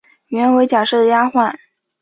原为贾赦的丫环。